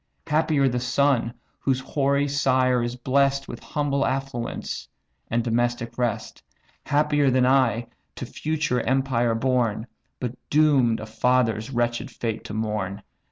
Happier the son, whose hoary sire is bless'd With humble affluence, and domestic rest! Happier than I, to future empire born, But doom'd a father's wretch'd fate to mourn!"